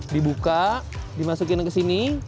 dibuka dimasukin ke sini